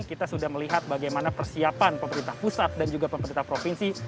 kita sudah melihat bagaimana persiapan pemerintah pusat dan juga pemerintah provinsi